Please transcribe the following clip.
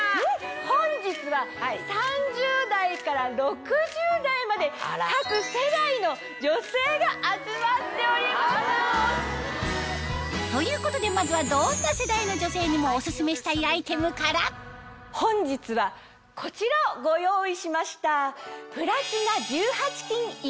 本日は３０代から６０代まで各世代の女性が集まっております！ということでまずはどんな世代の女性にもお薦めしたいアイテムから本日はこちらをご用意しました。